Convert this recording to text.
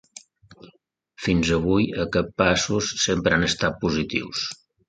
Fins avui aquests passos sempre han estat positius.